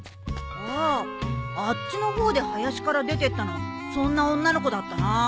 あああっちの方で林から出てったのそんな女の子だったな。